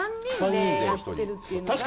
３人でやってるっていうのが。